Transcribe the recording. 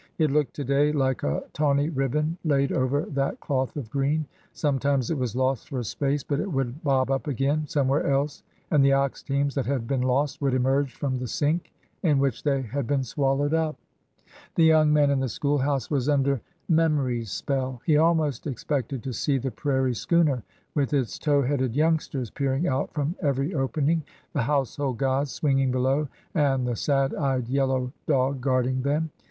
It looked to day like a tawny ribbon laid over that cloth of green. Sometimes it was lost for a space, but it would bob up again somewhere else, and the ox teams that had been lost would emerge from the '' sink " in which they had been swallowed up. The young man in the school house was under Mem ory's spell. He almost expected to see the prairie schooner with its tow headed youngsters peering out from every opening, the household gods swinging below, and the sad eyed yellow dog guarding them.